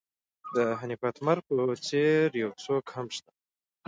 د حنیف اتمر په څېر یو څوک هم شته.